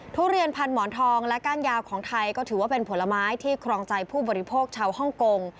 ทุเรียนพันหมอนทองและก้านยาวของไทยก็ถือว่าเป็นผลไม้ที่ครองใจผู้บริโภคชาวฮ่องกง